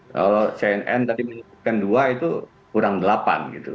kalau cnn tadi menyebutkan dua itu kurang delapan gitu